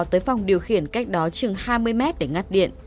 tới phòng điều khiển cách đó chừng hai mươi mét để ngắt điện